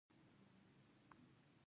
په افغانستان کې د لمریز ځواک منابع شته.